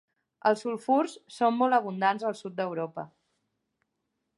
Els sulfurs són molt abundants al sud d'Europa.